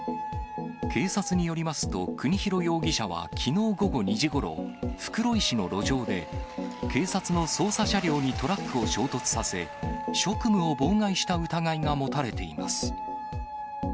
警察によりますと、国広容疑者はきのう午後２時ごろ、袋井市の路上で、警察の捜査車両にトラックを衝突させ、職務を妨害した疑いが持たれています。